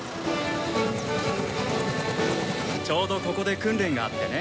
ちょうどここで訓練があってね。